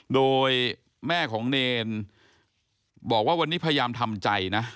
โดยแม่ของเนรบอกว่าวันนี้พยายามทำใจนะ